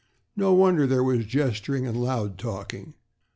No wonder there was gesturing and loud talking.